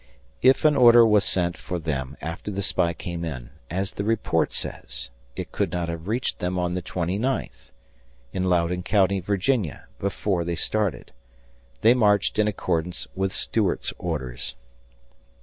If an order was sent for them after the spy came in, as the report says, it could not have reached them on the twenty ninth in Loudoun County, Virginia, before they started. They marched in accordance with Stuart's orders.